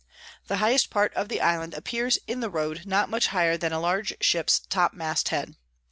The highest part of the Island appears in the Road not much higher than a large Ship's Top Mast head.